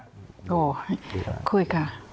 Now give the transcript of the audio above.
โอ้โหคุยค่ะ